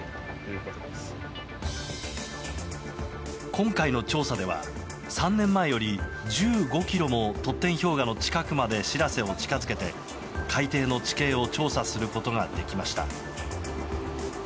今回の調査では３年前より、１５ｋｍもトッテン氷河の近くまで「しらせ」を近づけて海底の地形を調査することができました。